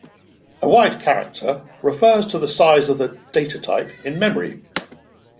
A wide character refers to the size of the datatype in memory.